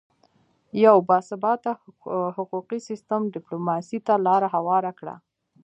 یو باثباته حقوقي سیستم ډیپلوماسي ته لاره هواره کړه